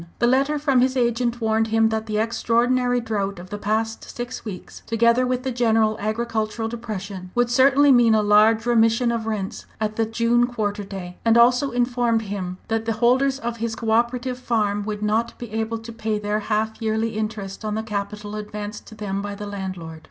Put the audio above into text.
The letter from his agent warned him that the extraordinary drought of the past six weeks, together with the general agricultural depression, would certainly mean a large remission of rents at the June quarter day, and also informed him that the holders of his co operative farm would not be able to pay their half yearly interest on the capital advanced to them by the landlord.